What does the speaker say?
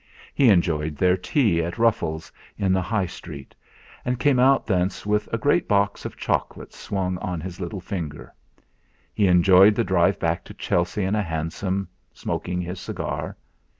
He enjoyed their tea at Ruffel's in the High Street, and came out thence with a great box of chocolates swung on his little finger. He enjoyed the drive back to Chelsea in a hansom, smoking his cigar.